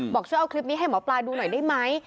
บอกช่วยเอาคลิปนี้ให้หมอปลาดูหน่อยได้ไหม